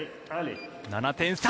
７点差。